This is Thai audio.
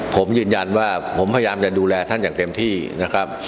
ผมยืนยันว่าผมพยายามจะดูแลท่านอย่างเต็มที่นะครับ